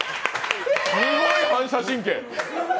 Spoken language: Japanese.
すごい反射神経！